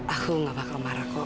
aku gak bakal marah kok